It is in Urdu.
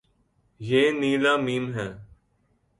یے نیلا م ہے